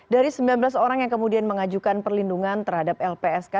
jadi sembilan belas orang yang kemudian mengajukan perlindungan terhadap lpsk